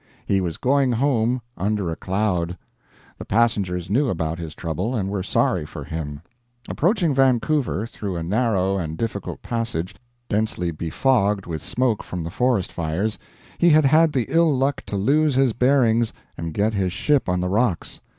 He was going home under a cloud. The passengers knew about his trouble, and were sorry for him. Approaching Vancouver through a narrow and difficult passage densely befogged with smoke from the forest fires, he had had the ill luck to lose his bearings and get his ship on the rocks.